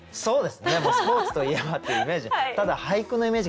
スポーツといえばっていうイメージ。